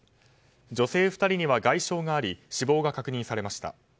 女性２人には外傷があり死亡が確認されました。